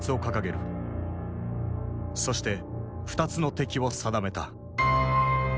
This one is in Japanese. そして２つの敵を定めた。